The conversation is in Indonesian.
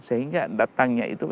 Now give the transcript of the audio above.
sehingga datangnya itu kan tidak ada